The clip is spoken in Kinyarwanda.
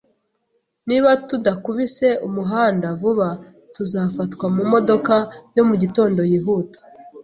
Niba tudakubise umuhanda vuba, tuzafatwa mumodoka yo mu gitondo yihuta